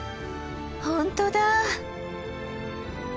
本当だ！